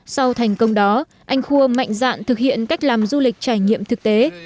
sau đó anh kua mạnh dạn thực hiện cách làm du lịch trải nghiệm thực tế